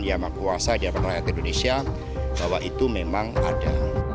di hadapan kuasa di hadapan rakyat indonesia bahwa itu memang ada